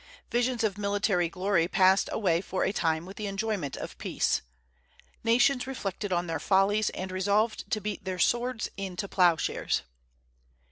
Visions of military glory passed away for a time with the enjoyment of peace. Nations reflected on their follies, and resolved to beat their swords into ploughshares.